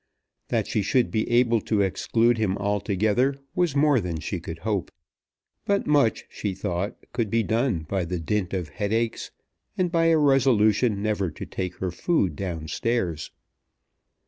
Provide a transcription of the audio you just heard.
That she should be able to exclude him altogether was more than she could hope, but much, she thought, could be done by the dint of headaches, and by a resolution never to take her food down stairs.